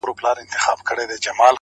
په سیوري پسي پل اخلي رازونه تښتوي!.